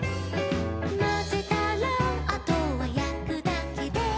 「まぜたらあとはやくだけで」